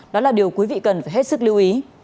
đó là điều quý vị cần phải hết sức lưu ý